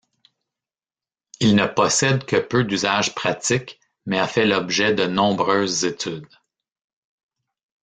Il ne possède que peu d'usages pratiques, mais a fait l'objet de nombreuses études.